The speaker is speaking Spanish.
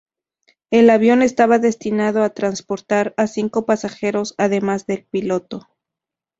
El avión estaba destinado a transportar a cinco pasajeros además del piloto.